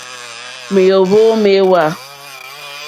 Mèóhwò méhwǎ.